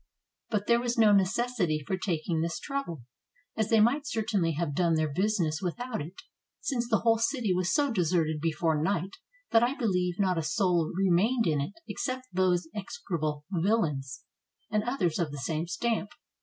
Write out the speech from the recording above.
But there was no necessity for taking this trouble, as they might certainly have done their business without it, since the whole city was so deserted before night that I believe not a soul remained in it except those execrable villains and others of the same stamp.